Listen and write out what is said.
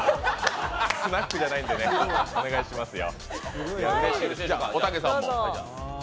スナックじゃないんでね、お願いしますよ。